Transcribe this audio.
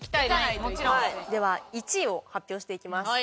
では１位を発表していきます。